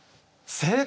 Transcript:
正解！